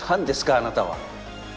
あなたは。